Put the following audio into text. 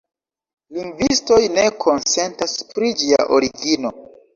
Lingvistoj ne konsentas pri ĝia origino.